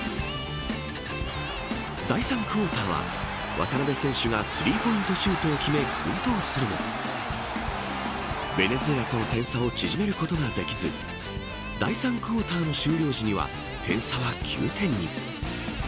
第３クオーターは渡邊選手がスリーポイントシュートを決め奮闘するもベネズエラとの点差を縮めることができず第３クオーターの終了時には点差は９点に。